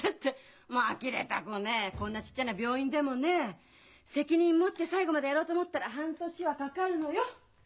こんなちっちゃな病院でもね責任持って最後までやろうと思ったら半年はかかるのよ！